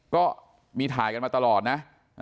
ก็ทายกันมาตลอดนะ